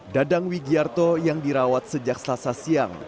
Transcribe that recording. dadang wigiarto yang dirawat sejak selasa siang